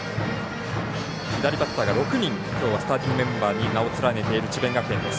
きょうは左バッターが６人スターティングメンバーに名を連ねている智弁学園です。